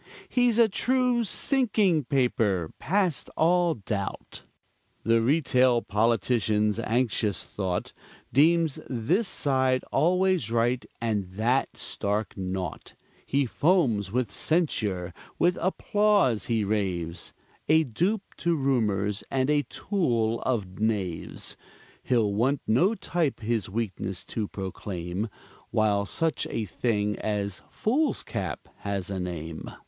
He's a true sinking paper, past all doubt. The retail politician's anxious thought Deems this side always right, and that stark naught; He foams with censure, with applause he raves, A dupe to rumors, and a tool of knaves: He'll want no type his weakness to proclaim While such a thing as foolscap has a name.